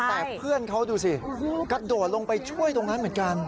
แต่เพื่อนเขาดูสิกระโดดลงไปช่วยตรงนั้นเหมือนกัน